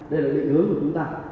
đây là định hướng của chúng ta